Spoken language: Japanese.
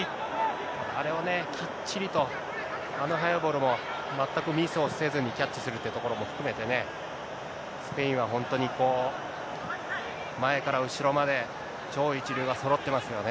あれをね、きっちりと、あの速いボールも全くミスをせずにキャッチするってところも含めてね、スペインは本当に前から後ろまで、超一流がそろってますよね。